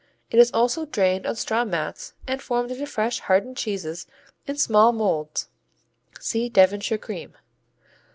It is also drained on straw mats and formed into fresh hardened cheeses in small molds. (See Devonshire cream.)